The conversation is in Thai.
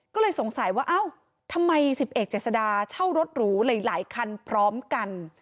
ก็เลยสงสัยว่าเอ้าทำไมสิบเอกเจษดาเช่ารถหรูหลายคันพร้อมกัน